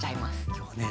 今日はね